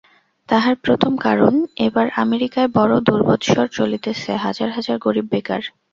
তাহার প্রথম কারণ, এবার আমেরিকায় বড় দুর্বৎসর চলিতেছে, হাজার হাজার গরীব বেকার।